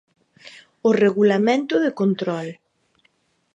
O regulamento de control.